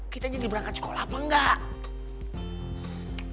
kita jadi berangkat sekolah apa enggak